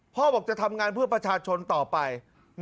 พ่อบอกจะทำงานเพื่อประชาชนต่อไป